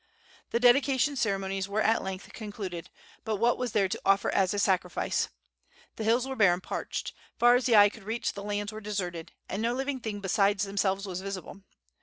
The dedication ceremonies were at length concluded; but what was there to offer as a sacrifice? The hills were bare and parched. Far as the eye could reach the lands were deserted, and no living thing beside themselves was visible.